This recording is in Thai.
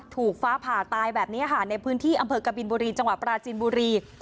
ถูกฟ้าผ่าตายแบบนี้ค่ะในพื้นที่อำเภอกบินบุรีจังหวัดปราจินบุรี